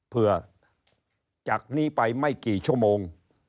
เพื่อจากนี้ไปไม่กี่ชั่วโมง